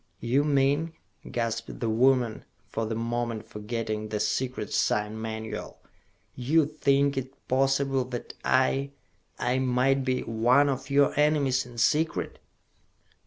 "You mean," gasped the woman, for the moment forgetting the secret sign manual, "you think it possible that I I might be one of your enemies, in secret?"